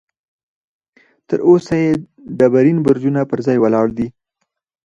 تر اوسه یې ډبرین برجونه پر ځای ولاړ دي.